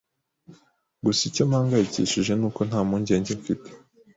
Gusa icyo mpangayikishije nuko nta mpungenge mfite.